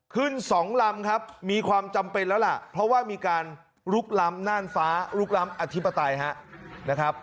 สองลำครับมีความจำเป็นแล้วล่ะเพราะว่ามีการลุกล้ำน่านฟ้าลุกล้ำอธิปไตยนะครับ